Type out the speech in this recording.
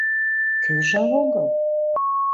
— Кӧ жал огыл?